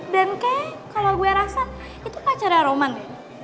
dan kayak kalo gue rasa itu pacarnya roman deh